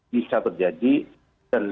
bisa terjadi dan